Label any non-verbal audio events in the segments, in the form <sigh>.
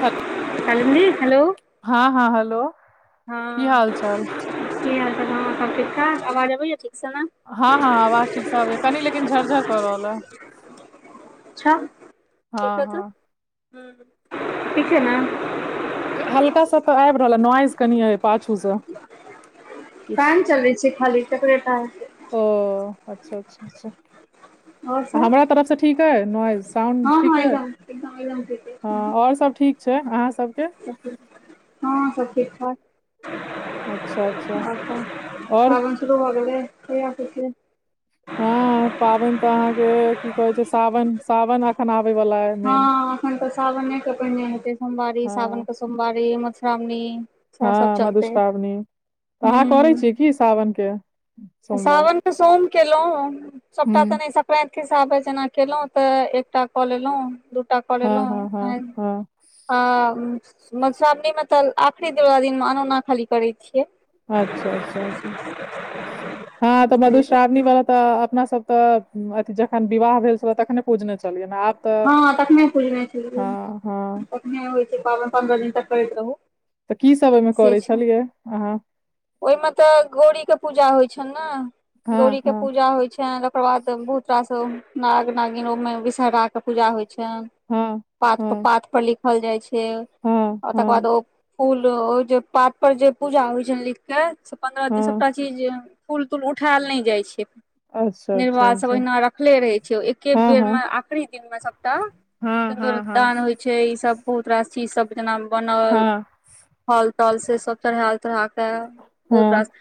ह <unintelligible> कालंदि हेलो हँ हँ हेलो की हँ हाल चाल की हाल सब ठीकठाक आवाज अबैया ठीकसँ ने हँ हँ आवाज ठीकसँ आबै कनि लेकिन झकझक कऽ रहलए अच् छा हँ देखौ त हँ हुं ठीक छै न हल्का सा तऽ आबि रहल ह नॉइज कनि अय पाछू से किछ चले छै खाली चकलेट आनय छी ओ अच्छा अच्छा अच्छा आओर सब हमरा तरफसँ ठीक है नॉइज साउंड हँ ठीक हँ है एकदम एकदम एकदम हँ ठीक और सब ठीक छै अहाँ सबके हँ सब ठीक ठाक अच्छा अच्छा अ और फाबन शुरू भ गेलै की आ कि हं पाबैन ते अहां के की कहे छै सावन सावन अखन आबे वला मेन हँ एखन तऽ सावनेके पहिने हेतै सोमबारी सावन हँ के सोमबारी मधुश्रामनी हँ मधुश्रावणी अहाँ करै हूँ छीयै की सावन के सोमवार सावन तऽ सोम केल हूँ सोबटा तऽ नहि सकरेत एक हिसाबे जेना केलहुँ तऽ एकटा कऽ लेलहुँ दूटा कऽ हँ हँ हँ लेलहुँ हँ आ मधुश्रावणी मे तऽ आखरीनवला दिन अनोना खाली करैत छियै अच्छा अच्छा अचछा हँ तऽ बधुश्रावणी वला त अपना सब त जखन विवाह भेल छलै तखने पूजने छलिये ना आब तऽ हँ तखने पुजने छै हँ हँ तखने होइ छै प पन्द्रह दिन तक करैत रहू तऽ की सब ओहिमे से करै छै छलियै अहाँ ओहिमे तऽ गौड़री के पूजा होइ छनि ने हँ गौड़री के हँ पूजा होइ छनि ओकर बाद बहुत रास नाग नागिन ओहिमे विषहरा के पूजा होइ छनि हँ पा हँ पात पर लिखल जाइ छै हँ आ तकर हँ बाद ओ फूल जे पात पर जे पूजा होइ छै लिख के से पन्द्रह दिन हँ सबटा चीज फूल तूल उठायल नहि जाइ छै अच्छा अच्छा निर्वाल सब अच्छा ओहिना रखले रहै छै एके हँ बेर हँ मे आ आखिरी दिन मे सबटा हँ हँ हँ सन्दूरदान होइ छै ई सब बहुत रास चीज सब जेना बनल हँ हल तल से सब चढ़ायल तरह के बहुतरास हँ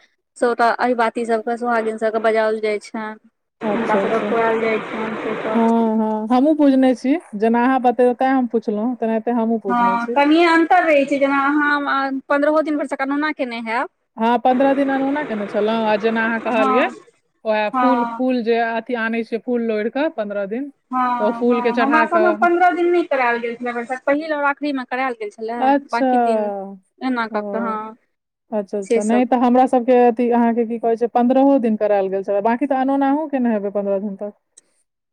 सभटा अहिबाती सभके सोहागिन सबके बजाओल जाइ छन अच्छा हुनकासभकेँ खुआयल जाइ छनि सेसभ हम हमू पुजने छी जेना अहाँ बतेबै ते हम पुछलहुँ तेना हँ तनिएे अन्तर रहैत छै जेना अहाँ पन्द्रहो दिन परसँ करौना केने हयब हँ पंन्द्रह दिन अनुना केने छलहुं आ जेना अहाँ हँ कहलियै ओहे फूल हँ फूल जे अथी आनय छै फूल लोढ़ि क पन्द्रह दिन हँ तऽ ओ फूल के हं हमरा चढ़ा सभ मे कऽ पंन्द्रह दिन नहि करायल गेल छैे भरिसक पहिल और आखिरी में करायल गेल छैे अच्छ कऽ कऽ हँ ओ अच्छ से अच्छा नहि सब तऽ हमरा सभके अ अहाँ के की कहे छै पन्द्रहो दिन करायल गेल छै बाकी तऽ अनुना अहु केने हेबे पन्द्रह दिन तक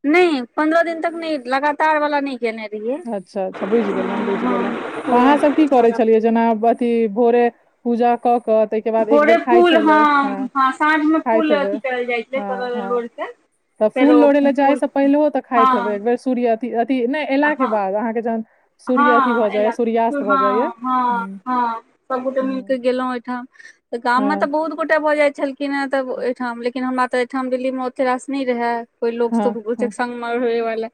नइ पंन्द्रह दिन तक नहि लगातार वाला न केने रहे अच्छा अच्छा बुझि गेलहुँ बुझि गेलहुँ तऽ अहाँसभ की करै छलियै जेना अथी भोरे पूजा क के तय के बाद एक भोरे बेर खाइ फूल छलै हँ ह हँ साँझमे खाइत फूल हेबै अथी करल जाइ छलै हँ तोड़ल हँ लोढ़िके तऽ फूल फेरो लोढ़य लए फूल जाइसँ पहिलहो तऽ हँ खाइत हेबय एकबेर सूर्य अथी अथी नहि अयला के हँ बाद अहाँ के जहन सूर्य अथी हँ भऽ एल जाइया सूर्यास्त भऽ हँ जाइया हँ हँ सबगोटे मिलके गेलहुँं ओठाम त गाममे तऽ हँ बहुत गोटे भ जाइ छल कि नहि तब एहिठाम लेकिन हमरा तऽ एहिठाम दिल्लीमे ओते रास नहि रहय कोई लोक हँ संगगमे रहे वाला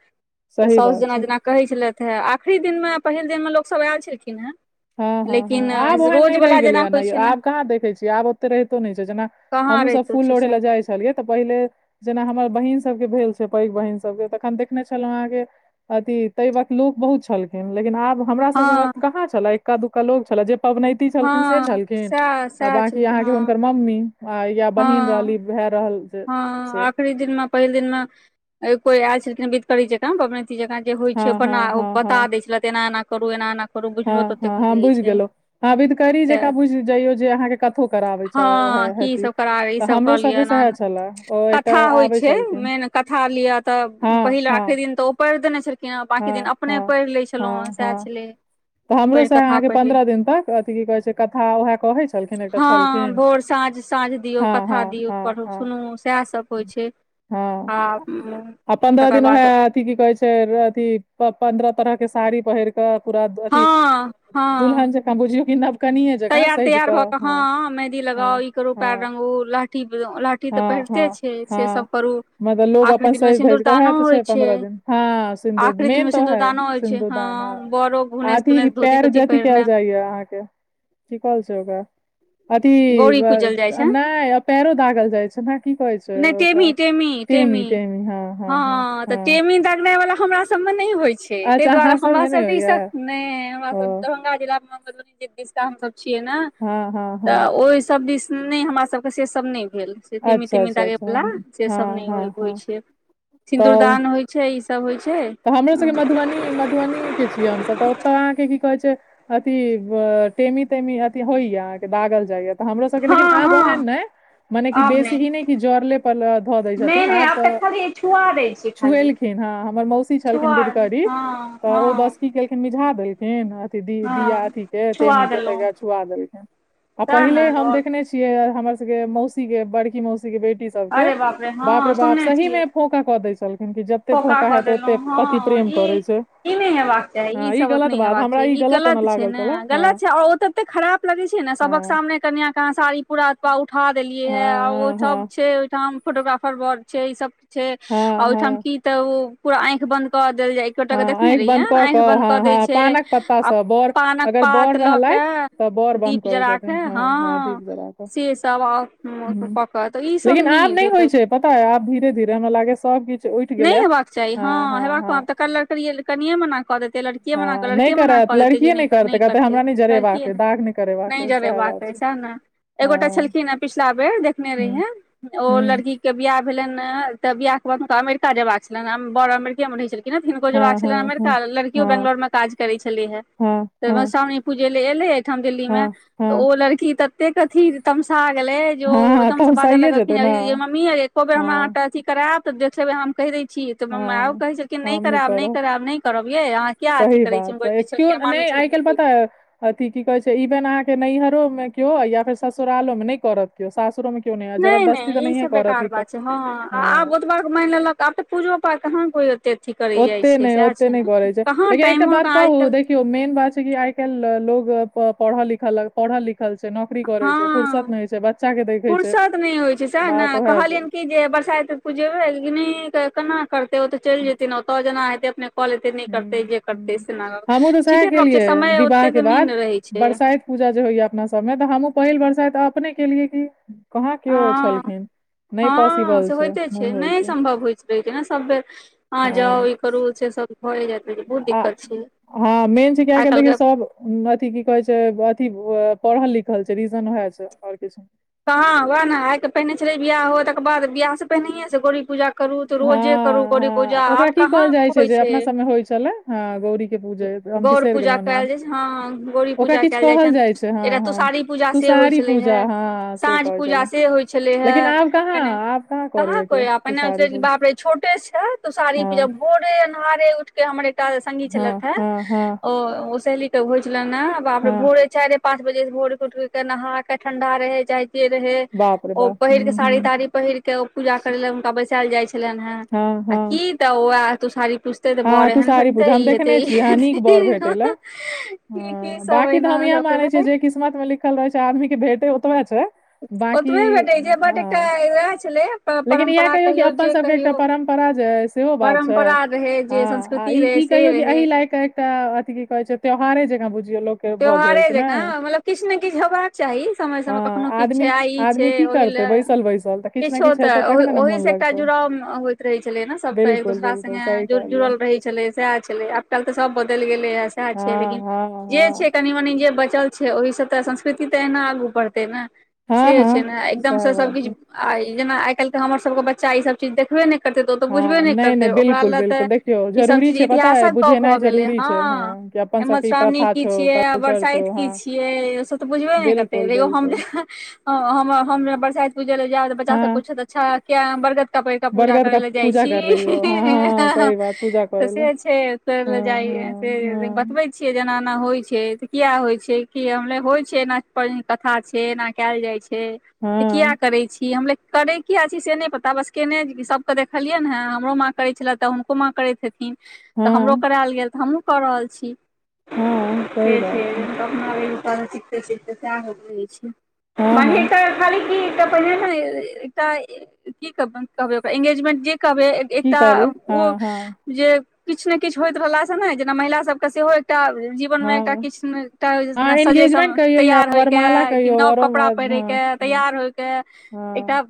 त सही सास बात छै जेना जेना कहै छलेथ हे आखरी दिनमे पहिल दिनमे लोक सब आलखिन हेँ हँ हँ हँ लेकिन आब ओहन नहि रहि रोजवला गेलै जेना ह होइ ने छै आब कहाँ देखै छियै आब ओते रहितो नहि छै जेना कहाँ हमहु सब रहितो छै फूलोढ़े सएह लए जाइ छी छलियै तऽ पहिले जेना हमर बहिन सबके भेल छै पैघ बहिन सबके तखन देखने छल अहाँके अथि तहि वक्त लोक बहुत छलखिन लेकिन आब हमरासभके हँ वक्त कहाँ छलए एक्का दुक्का लोक छलए जे पबनैती छलखिन से हँ छलखिन सएह आ सएह बकी छलखिन अहाँके हँ हुनकर मम्मी आ या बहीन रहली हँ भाय रहल जे हँ से आखरी दिन में पहिल दिन मे कोई आयल छलथिन बध करी जका पवनैत जकाँ जे होइ हँ छै बना हँ हँ बता दै छले एना एना करु एना एना करू हं बुझलो तऽ हं ओतेक नहि हं रहै बुझि छै गेलौं हं विधकरी ज क तऽ बुझि ज‌इयौ जे अहां के कथो कराबय छै हँ की सभ करा ई सब कलिय ऐना सएह ऐना छलए ओ एकटा कथा होइत आबै छै छलखिन मेन कथा लिअ तऽ हँ पहिल हँ आखरी दिन तऽ ओ पढ़ि देने छलखिन केना बाँाकी दिन हँ अपने हँ पढ़ि लै छलहुँ हँ सएह छलै तऽ हमरो पढ़ि से कथा अहाँ के पढ़ि लिअ पंन्द्रह दिन तक अथी की कहे छै कथा उएह कहे छलखिन एकटा छल ह भोर साँझ साँझ दियऔ कथा दियऔ हँ पढ़ु हँ सुनू सएहसभ होइ छै हँ आ आ पन्द्रह तकर दिन बाद उएह अथी की कहे छै अथी पन्द्रह तरह के साड़ी पहिर पूरा हँ अथि हँ दुलहन जेकाँ बुझियो की तैयार तैयार भऽ क हँ मेहदी लगाउ हँ ई करू पयर हँ रंगु लहठी लाठी ठी तऽ पहिरते छै से सब करू मगर लोक आखिरी अपन दिन मे सजि धज कऽ ओएहा सिन्दूरदानो त होइ छै पन्द्रह दिन हँ से आखिरी दिन मेन मे त है सिन्दूरदानो होइ छै सिधुदान ह हँ बड़ो घुनैस आथी ई तुनैस धोती पैर तोती जथी कयल पहिरने जाय अहाँके की कहल छै ओकरा अथी गौरी पूजल जाइ छै नहि पैरो दागल जाइ छै ने की कहै छै नहि ओकरा टेमी टेमी टेमी हँ ह हँ हँ तऽ हँ टेमी दागनाय वाल हमरासब के सब नहि होइ छै तहि अच्छा दुआरे अहाँ हमरा सबमे नहि सब ई होइया सब हमरा ओ सब दरभंगा जिला मे दिसका हमसभ छियै न हँ हँ तऽ हँ ओहि सभ दिस नहि हमरा सभके से सब नहि से तिमी अच्छा तिमी अच्छा दागे अच्छा वालला से सब हँ हँ नहि होइ हँ छै तऽ सिन्दूरदान हो छै छै ई सब होइ छै ह मी मधुबनी के छियै हमस तऽ ओतऽ अहाँकेँ कि कहै छै अथी टेमी तेमी अथि होइया अहाँके दागल जाइया त हमरो सभके हँ लेकिन आब हँ ओहन नय मने कि बेसी इ नहि कि जड़ले पर धऽ दै नहि छथिन्ह नहि आब तऽ खाली छुआ दै छै खाली छुएलखिन हँ हमर मौसी छलखिन छुआ बिधकरी हँ तऽ ओ हँ बस कि केलखिन मिझा देलखिन हे अथ दी हँ दिया अथी के छुआ तेमी के देलहुँ त छुआ देलखिन आ सएह ने पहिले हम आओर देखने छी यहा हमर सबकेँ मौसी केँ बड़की मौसी केँ बेटी सभके अरे हँ बाप रे बाप सुनने सही मे छियै फोका कऽ दै छलखिन्ह कि जते फौका फोका कऽ हेएत देलहुँ ओते पति हँ प्रेम करै ई छै। ई नहि हेबाक चाही ई हँ सभ ओत गलत नहिं बात हेबाक हमरा चाही ई ओना गलत छै लागल ने छले हँ गलत छै और ओत एते खराब लगै छै ने सभक हँ सामने कनिय के अहाँ साड़ी पूरा उठा देलियै है आ ओइ हँ सभ हँ छै ओइठाम फोटोग्राफर बर छै ई सभ छै आ हँ ओहिठाम हँ की त ओ पूरा आंखि बंद क क देल जाय एकगोटा हँ केँ देखने आँखि बंन्द रहियैन कऽ आंखि बंद कऽ हँ देय हँ छै पानक पत्ता आ सँ बड़ पानक अगर बड़ पात लऽ रहलथि केँ तऽ बड़ बंद दीप करै जरा के छथिन दीप हँ जरा कऽ से सभ ह हमर ह पप्पा तऽ ई सब लेकिन आब नहि नइ होइ <unintelligible> छै पता अय आब धीरे धीरे हमरा लागय य सब किछ नहि हेबाक चाही हँ हेबाक व त कलर कनिये मना कऽ देते लड़किये मना हँ करऽ लड़क नहि मना करत कऽ देतै जे लड़किए नहि कर कहतै करतै हमरा नहि लड़किये जरेबाक अइ ने दाग करेबाक नहि अइ जबे सएह बात नाके छै सेह नऽ एगोटा हँ छलखिन हे पिछला बेर देखने ह रहियन औ ह लड़की के बियाह भेलनि ने तऽ बियाह के बाद हुनका अमेरिका जाया केछलेन पहले अमेरिके मे रहै छलखीन हिनको जेबाक हँ छलनि हँ हँ अमेरिका लड़कियो हँ बेंगलोर में काज करे छली है हँ <inaudible> ते सा पूजे ले एले अइ ठाम दिल्ली मे हँ हँ ओ लड़की तत्ते अथी तमसा गेले जो हाँ, एकदम तऽ से हम बाजऽ सहिए जेतै ने लगलखिन मम्मीयैय एको बेर हमरा हाँ ट अथी करायब त देख लेबै हम कहि दै छी तै पर माएओ हाँ कहि छलखिन्ह नहि हम करायब नहि करब करायब नहि करब यै अहाँ किया अथी करय छी क्यो छलखिन नै मामी आइ छलखिन काल्ह कि पताय अथि की कहे छैय ईबेन अहाँ के नैहरो में के या फेर ससुरालो में नहि करत केओ सासुरो में। नहि नहि इ सब बेकार बात छै हँ आब हाँ ओत प मानि लेलक आबऽ पूजो पाठ कहाँ कोइते अथी करै ओते जाइत छै नहि सएह ओते छै नहि ने करै छै कहाँ लेकिन एकटा टाइमो बात के आइ कहू कल्हि मेन बात छै कि आइ काल्ह लोग पढ़ लिख पढ़ लि छै नौकरी करै छै फुरसत नहि होय छै ब फुुरसत नहि होइ छै सएह ने ओएह कहलियनि छै कि जे बरसाइत में पुजेबै लेकिन नहि क केना करतै ओ त चलि जेतै ने ओतऽ जेना हेतय अपने क लेतै नहिं हूं करतै जे करतै सेन हूं हमहूँ तऽ सएह ठीके गप्प छै केलियै समय विवाह के ओतेक नहि बाद ने रहै छै बरसाइत पूजा जे होइया अपना सभमे तऽ हमहूँ पहिल वर्षा तऽ अपने केलियै कि कहाँ हँ केओ छलखिन हँ से होइते छै नहि सम्भव होइत रहैत छै ने सभ बेर अहाँ जाउ हँ रूल छै सब <unintelligible> आ दिक्कत छै हँ मेन छै जे आइ कालि देखियौ सब अथिी की कहै छै अथी पढ़ल लिखल छै रीजन उएह छै आओर किछु कहाँ वहय ने आइ के पहिने छलै बियाह हो तकर बाद बियाह से पहिनहिए से गौड़ी पूजा करू तऽ रोजे करू हँ गौरी पूजा हँ ओकरा आब की कहाँ कहल जाइ होइ जे छै अपना सबमे होइ छलै हँ गौरी के पूजे हम गौड़ बिसरि पूजा गेलहुँ काएल नाम जाइ छैन्ह हँ गौरी ओकरा पूजा किछु काएल जाइ कहल छनि छै हँ एक हँ तुषारी पूजा से होइ तुषारी छलै पूजा हे हँ से साँझ कहै छलहुँ पूजा से होइ छलै लेकिन है <inaudible> आब कहाँ आब कहाँ करैये कोइ केओ अपने होगा तुषारी छै जे फुल बा बाप रे छोटे छै तो साड़ी पे ज हाँ भोरे अन्हारे उठ के हमर एकटा सगी हाँ छलथि हे हाँ हाँ ओ ओ सहेली कऽ होइ छलनि हऽ बाप रे हाँ भोरे चार पाँच बजे से भोर उठ के नहा के ठंडा रहे जा रहे बाप रे ओ बाप पहिर के हुँ, साड़ी हुँ, ताड़ी पहिर के ओ पूजा करे ले हुनका बैसायल जाय छलनि हे हाँ आ हाँ कि तऽ ओ तूसारी पुस तऽ बर हाँ एहन तुषारी भेटतै पूजा हम ई हेते देखने ई छी हाँ नीक बर भेटै लए हेतै हाँ सभ बाकी तऽ ओहिना हम इएह मानै छियै भेलै जे किस्मत में लिखल रहय छै आदमी के भेटय ओतबा छै बाकी ओतबे भेटै छै बट एकटा हँ वएह छलै लेकिन इएहा परम्परा कहियौ कि अपन जे सभके एकटा कहियौ परम्प पराजयस परम्परा रहे हँ आ ई कहियौ कि अहि लकऽ एकटा अथि की कहै छै त्योहारे जका बुझियौ लोक त्योहारे जका मतलब किछु ने किछु होयबाक चाही समय हँ समय कखनो किछु छै आदमी आइ ई छै आदमी की ओहि ला करतै बैसल बैसल तऽ किछु ने किछो किछु तऽ हेतै तखने ओह ने ओहि मोन स एकटा लगतै जुड़ाव होइत रहै छलै न सबके एक बिल्कुल दोसरा बिल्कुल संगे सही कहलियै जुड़ल रहै छलै सएह छलै आब काल्हि तऽ सभ बदलि गेलैए सएह हँ छै लेकिन हँ जे छै हँ कनी मनी जे बचल छै ओहिसँ तऽ संस्कृति तऽ एना आगू बढ़तै नै हँ से छै हँ ने एकदमसँ सएह बात छै सभकिछु आ जेना आइ काल्हि तऽ हमरसभके बच्चा ईसभ चीज देखबे ने हँ नहि नहि बिलकुल बिलकुल देखियौ ईसभ जरूरी चीज छै पता अय इतिहासक गप भऽ बुझेनाइ गेलै जरूरी छै हँ कि अपन सबकें इ मधुश्रावणी प्रथा छै की छियै बरसाइत की छियै ओ सभ तऽ बुझबे नय करतै बिल्कुल एगो हम बिल्कुल है हमसब बरसाइत पूजे ल जाउ तऽ बच्चा सब हँ पूछत अच्छा किया बर कपड़ क पूजा बरगद करै का लए जाइ पूजा छी कर रही हो हँ हँ सही बात पूजा तऽ करे ला से छै तय हँ में जाइया हँ से हँ बतबै छियै जे एना एना होइ छै त किया होइ छै क हम होइ छै एना कथा छै एना कय जाइ छै त किया हँ करै छी हम करै कि अछि से नहि पता बस केने सबके देखलियनि हँ हमरो माँ करै छलथि तऽ हुनको माँ करैत हेथिन तऽ हमरो हँ करायल गेल तऽ हमहुँ कऽ रहल छी हँ सही से छै बात तऽ अपना सिखते छै तऽ सएह होै छै हँ हँ मानही त खाली की पहिने एकटा कि कहबय ओकरा एंगेजमेंट जे कहबय की एकटा कहलियै हँ ओ। हँ जे किछ ने किछु होइत रहला से ने जेना महिला सभ के सेहो एकटा जी हू मे एकटा हँ अहाँ किछटा एंगेजमेंट सजेसन कहियौ या तैयार वरमाला होयके कि कहियौ नव वरो कपड़ा पहिरे हँ के हँ तैयार होय के एकटा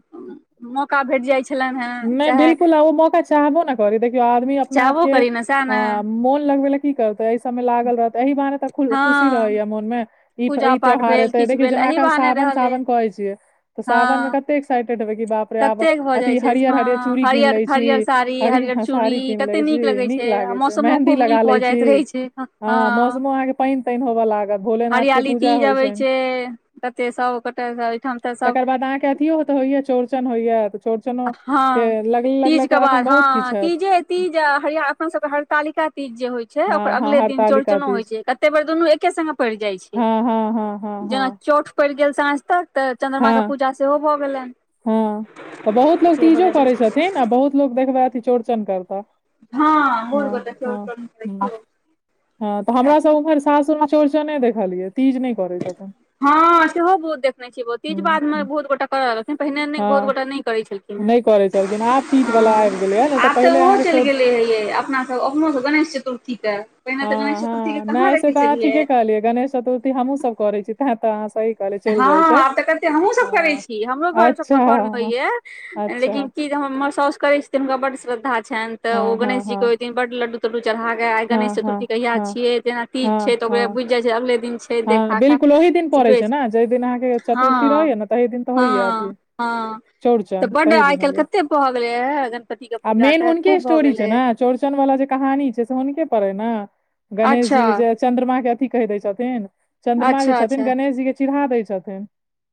मौका भेट जाइ छलनि हेँ <inaudible> नै चाहे बिल्कुल आब ओ मौका चाहबो न करी देखियऔ आदमी अप अपना चाहबो आपके करी ने सएह हँ ने मोन लगबय लै की करतै एहि सबमे लागल रहतै एहि बहाने तऽ हँ खुशी रहैया मोनमे इ पूजा ई पाठ त्यहार ह भेल एते किछु देखियो भेल जेना एही अ बहाने सावन रहल अइ सावन कहे छीियै तऽ हँ सावन मे कते एक्साइटेड हेबे क बाप ततेक भऽ प्रयाबह जाइ अथि छै हरियर। हँ हरियर चूड़ी कीन हरियर ले छी हरियर साड़ी हरि हरियर सारी चूड़ी कीन कते ले छी लगै नीक लागै छै मेहदी लगा ले छी एखन हा हाँ के पाइन ताइन होबऽ लागत भोले नाथ के पुजा तीज अबै होइछैन छै कते सब गोटे एहिठाम तऽ सब तकर बाद अहाँकेँ अथि ओ तो होइए छ चौरचन होइए तऽ चौरचनो हँ तीज के बाद ह हैत तीजे तीज हर अपन सब के हरतालिका तीज जे होइ छै ओकर हँ हँ अगले दिन हड़तालिका चौचनो होइ तीज छै कते बेर दुनू एके सङ्गे जाय छै हँ हँ हँ हँ हँ जेना चौठ पड़ि गेल सांझ तक तऽ चंद्रमा के हँ पूजा सेहो भऽ गेलनि हँ तऽ बहुत लोक से तीजो भऽ करय जाइत छथिन आ बहुत लोक देखबाती चौड़चन करता हँ मोर के देखियौ तऽ देखियौ ह तऽ हमरास उम्हर सासूर चौड़चने देखलियै तीज नै करै छथिन हँ सेहो बहुत देखने छी बहु तीज बाद मे हँ बहुत गोटा करऽ लगलखिन्ह पहिने बहुत गोटा नहि करय छलखिन्ह नै करै छलखिन आब तीजवला आबि गेलै ह नै तऽ आब पहिले ओहो अहाँकेँ चलि चौरच गेलै हे यै अपना <unintelligible> गणेश चतुर्थी केँ हँ हँ नहि ऐ सेे तऽ अहाँ ठीके कहलियै गणेश चतुर्थी हमूँसभ करैत छी तैं तऽ अहाँ सही कहलियै चलि हँ जाइ छै आब तऽ कते हमहुँ सब करै हँ छी हमरो घर सब अच्छा घर मे होइया अच्छा लेकिन की हमर सौस कर छ छथिन हुनका बड श्रद्धा छनि त ओ हँ हँ गणेशजी हँ कहेन बड लडू तडडू चढ़ाक के आई गणेश हँ हँ चतुर्थी कहिया हँ छिये जेना तीज छै हँ त ओकरे हँ बुझि जाय छै अगे दिन छै हँ देखा कऽ बिलकुल ओहि दिन पड़े छै ने जय दिन अहाँ चतुर्थी हँ रहै ने तऽहि दिन तऽ होइय अथ हँ हँ तऽ चौरचन बड्ड तहि आइ दिन काल्हि होयऽ कते भऽ गेलै हे गणपति के <inaudible> आ पूजा मेन के हुनके खूब भऽ स्टोरी छै गेलै न चौरचन वाला जे कहानी छै से हुनके पड़े ने अच्छा गणेशजी जे चन्द्रमा के अथि कहि दै छथिन चन्द्रमा जे अच्छा छथिन अच्छा गणेश जी के चिढ़ा दै छथिन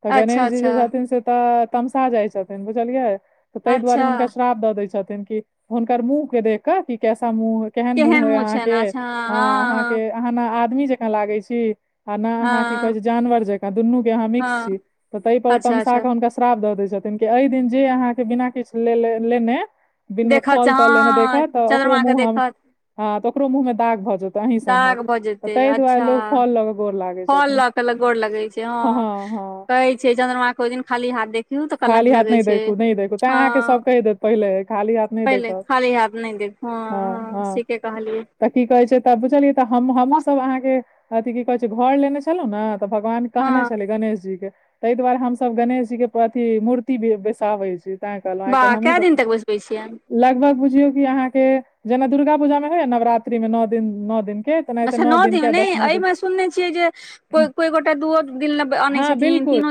तऽ अच्छा गणेश जी अच्छा जे छथिन से तऽ तमसा जाइ छथिन बुझलियै तऽ ताहि दुआरे अच्छा हुनका श्राप द दय छथिन कि हुनकर मुह के देख कऽ कि कैसा मुँह केहन मुँह अय अहाँ छनि के अ अच्छा हँ हँ अहाँके अहाँ ने आदमी जकाँ लागे छी आ न हँ अहाँ की कहे छै जानवर जकाँ दुनू के अहाँ मिक्स हँ छी तऽ ताहि पर ओ अच्छा तमसा अच्छा कऽ हुनका श्राप दैत छथि एहि दिन जे अहाँके बिना किछु ले लेने िन देखत फल तल लेने देख हँ तऽ ओकरो चन्द्रमा के मुंह ह देखत तऽ ओकरो मुंह मे दाग भ जेते तही सबहक दाग भऽ त जेतै तइ दुआरे अच्छा लोग फल ल क फल ल के ल गोर लगे छै ह हँ हँ कहे छै चंद्रमा के ओ दिन खाली हाथ देख थिन तऽ कलंक खाली हाथ लगै नहि छै देखू नहि देखू तैं हँ अहाँके सभ कहि देत पहिले खाली हाथ नहि पहिले देखब खाली हाथ नहि देब हँ हँ सीके कहलीऐै तऽ की कहे छै तब बुझलियै तऽ हम हमहुँ सब अहाँ के अथी कहे छै घर लेने छी छलो न त भगवान हँ कहने छले गणेश जी के तइ दुआरे हमसब गणेश जी के मूर्ति बेसाबै छै ते कहलो आइ काल् वाह हमू कए सब दिन तक बैसबै छियनि लगभग बुझियौ कि अहाँके जेना दुर्गा पूजा मे होय नवरात्रि मे नओ दिन नओ दिन के तेनाहिते अच्छा नओ दिन के आ नहि दसमा दिन एहिमे सुनने छियै जे को कोइ गोटा दूओ दिल अनै हँ छथिन बिल्कुल तीनो